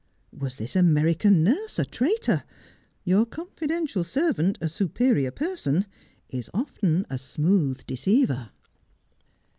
Was this American nurse a traitor ? Your confidential servant, a superior person, is often a smooth deceiver.